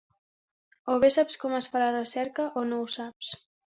O bé saps com es fa la recerca o no ho saps.